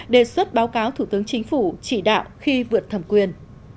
đề xuất báo cáo thủ tướng chính phủ chỉ đạo khi vượt thẩm quyền